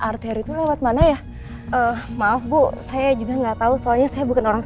arteri itu lewat mana ya maaf bu saya juga nggak tahu soalnya saya bukan orang